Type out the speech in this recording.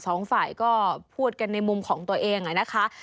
สองฝ่ายก็พูดกันในมุมของตัวเองนะคะ